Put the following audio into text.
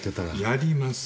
やります！